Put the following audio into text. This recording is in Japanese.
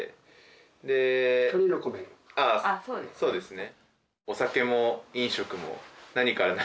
ああそうですね。